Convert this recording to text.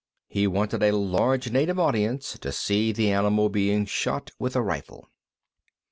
He wanted a large native audience to see the animal being shot with a rifle.